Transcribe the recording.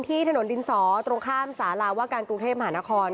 ตรงข้ามสาระว่าการกรุงเทพหาหน้าคอล